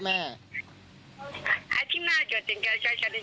คนที่พูดอยู่นี่แหละ